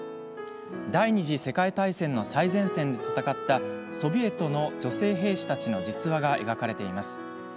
第２次世界大戦の最前線で戦ったソビエトの女性兵士たちの実話が描かれています。